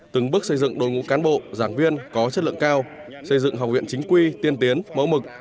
từng bước xây dựng đội ngũ cán bộ giảng viên có chất lượng cao xây dựng học viện chính quy tiên tiến mẫu mực